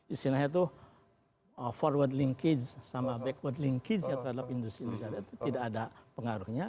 istilahnya itu forward linkage sama backward linkage terhadap industri industri itu tidak ada pengaruhnya